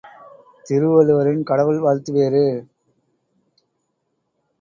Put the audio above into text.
திருவள்ளுவரின் கடவுள் வாழ்த்து வேறு.